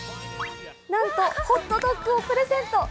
なんとホットドッグをプレゼント。